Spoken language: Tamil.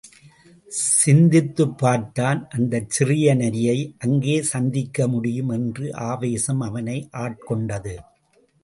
சிந்தித்துப் பார்த்தான் அந்தச் சிறிய நரியை அங்கே சந்திக்கமுடியும் என்ற ஆவேசம் அவனை ஆட்கொண்டது.